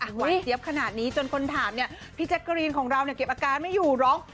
หวัดเตี๊ยบขนาดนี้จนคนถามพี่แจ๊กโกรีนของเราเก็บอาการไม่อยู่ร้อง